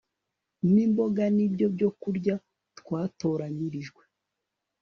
nimboga ni byo byokurya twatoranyirijwe